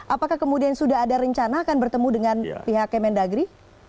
apakah kemudian sudah ada rencana akan bertemu dengan pihak kemendagri